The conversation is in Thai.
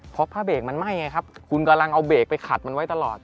เพราะผ้าเบรกมันไหม้ไงครับคุณกำลังเอาเบรกไปขัดมันไว้ตลอด